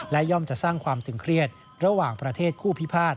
และย่อมจะสร้างความตึงเครียดระหว่างประเทศคู่พิพาท